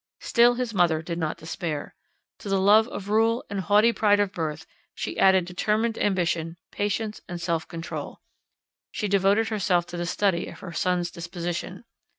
Still his mother did not despair. To the love of rule and haughty pride of birth she added determined ambition, patience, and self control. She devoted herself to the study of her son's disposition.